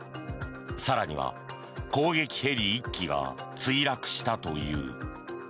更には攻撃ヘリ１機が墜落したという。